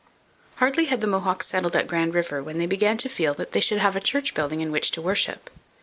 Hardly had the Mohawks settled at Grand River when they began to feel that they should have a church building in which to worship.